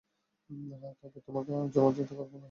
হ্যাঁ, তবে তোমাকে আমরা অমর্যাদা করব না, জোসলিন।